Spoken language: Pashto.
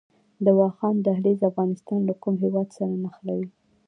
د واخان دهلیز افغانستان له کوم هیواد سره نښلوي؟